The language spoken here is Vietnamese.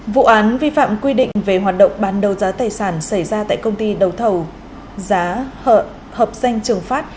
vụ án vi phạm quy định về hoạt động bán đấu giá tài sản xảy ra tại công ty đầu thầu giá hợp danh trường phát